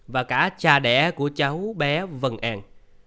và cả cha đẻ của cháu bé vân an